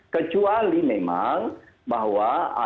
kecuali memang bahwa ada